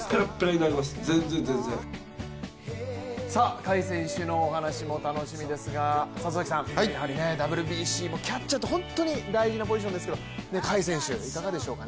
甲斐選手のお話も楽しみですが、里崎さんやはりＷＢＣもキャッチャーって本当に大事なポジションですけれども甲斐選手、いかがでしょうかね。